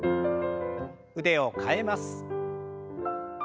腕を替えます。